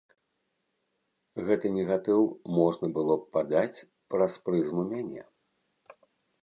Гэты негатыў можна было б падаць праз прызму мяне.